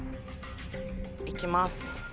いきます。